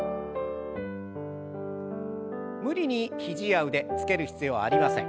無理に肘や腕つける必要はありません。